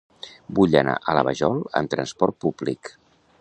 Vull anar a la Vajol amb trasport públic.